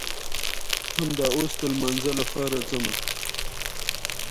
آیا د کانونو ارزښت تریلیونونو ډالرو ته رسیږي؟